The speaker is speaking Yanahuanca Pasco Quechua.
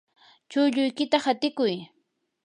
chulluykita hatikuy.